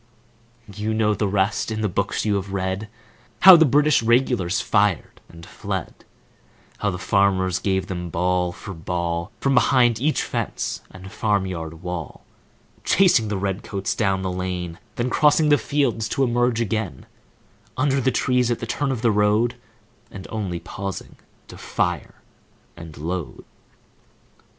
You know the rest. In the books you have read, How the British Regulars fired and fled,— How the farmers gave them ball for ball, From behind each fence and farm yard wall, Chasing the red coats down the lane, Then crossing the fields to emerge again Under the trees at the turn of the road, And only pausing to fire and load.